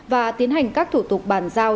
và tiến hành các thủ tục bàn giao